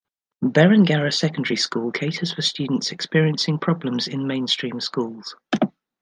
Berengarra Secondary School caters for students experiencing problems in mainstream schools.